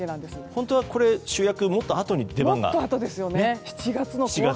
本当は主役はもっとあとに出番が。